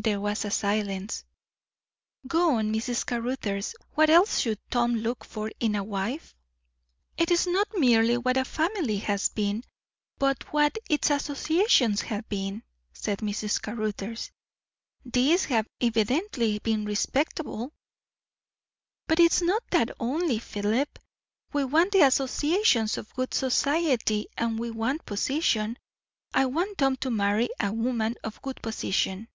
There was silence. "Go on, Mrs. Caruthers. What else should Tom look for in a wife?" "It is not merely what a family has been, but what its associations have been," said Mrs. Caruthers. "These have evidently been respectable." "But it is not that only, Philip. We want the associations of good society; and we want position. I want Tom to marry a woman of good position."